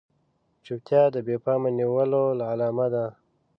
چوپتيا د بې پامه نيولو علامه ده.